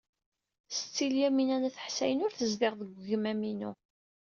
Setti Lyamina n At Ḥsayen ur tezdiɣ deg wegmam-inu.